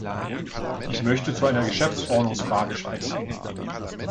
Ich möchte zu einer Geschäftsordnungsfrage sprechen.